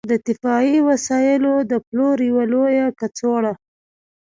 د دفاعي وسایلو د پلور یوه لویه کڅوړه